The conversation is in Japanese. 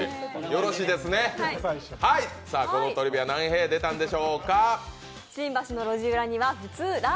さあ、このトリビア何へぇ出たんでしょうか。